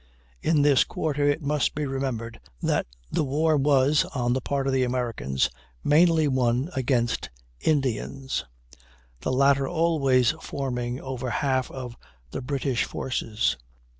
In this quarter it must be remembered that the war was, on the part of the Americans, mainly one against Indians; the latter always forming over half of the British forces.